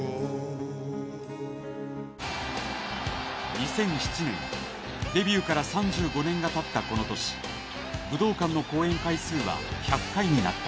２００７年、デビューから３５年がたったこの年武道館の公演回数は１００回になった。